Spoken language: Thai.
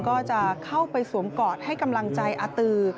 ก็จะเข้าไปสวมกอดให้กำลังใจอาตือ